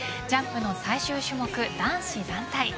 ジャンプの最終種目、男子団体